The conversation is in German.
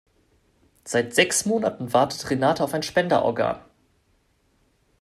Seit sechs Monaten wartet Renate auf ein Spenderorgan.